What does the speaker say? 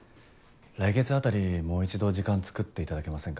来月あたりもう一度時間つくっていただけませんか？